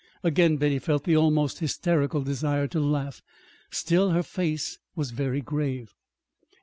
Again Betty felt the almost hysterical desire to laugh. Still her face was very grave.